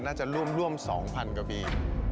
น่าจะร่วม๒๐๐๐กว่าปี